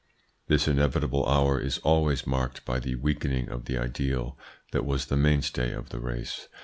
This inevitable hour is always marked by the weakening of the ideal that was the mainstay of the race.